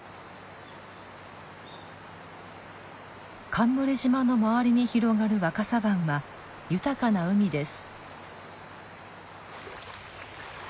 冠島の周りに広がる若狭湾は豊かな海です。